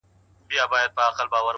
د حقیقت منکر حقیقت نه بدلوي؛